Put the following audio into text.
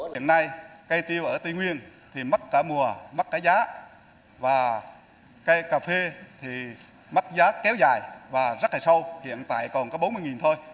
hiện nay cây tiêu ở tây nguyên thì mất cả mùa mất cả giá và cây cà phê thì mất giá kéo dài và rất là sâu hiện tại còn có bốn mươi thôi